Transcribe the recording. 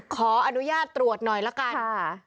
ขออนุญาตตรวจหน่อยละกัน